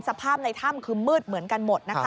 สภาพในถ้ำคือมืดเหมือนกันหมดนะคะ